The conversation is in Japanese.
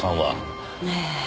ええ。